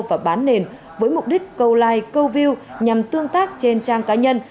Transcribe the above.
và bán nền với mục đích câu like câu view nhằm tương tác trên trang cá nhân